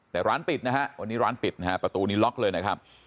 แต่ร้านปิดนะฮะวันนี้ร้านปิดนะฮะประตูนี้ล็อกเลยนะครับ